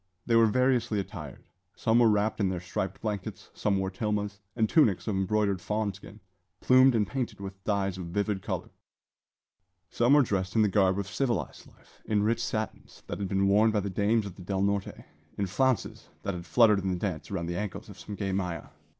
They were variously attired: some were wrapped in their striped blankets; some wore tilmas, and tunics of embroidered fawn skin, plumed and painted with dyes of vivid colour; some were dressed in the garb of civilised life in rich satins, that had been worn by the dames of the Del Norte; in flounces that had fluttered in the dance around the ankles of some gay maja.